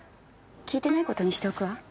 聞いてない事にしておくわ。